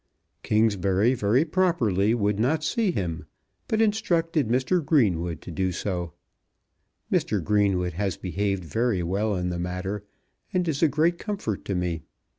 Kingsbury very properly would not see him, but instructed Mr. Greenwood to do so. Mr. Greenwood has behaved very well in the matter, and is a great comfort to me.